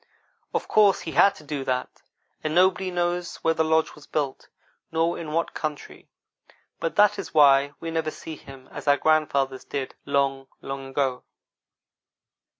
Of course he had to do that, and nobody knows where the lodge was built, nor in what country, but that is why we never see him as our grandfathers did, long, long ago.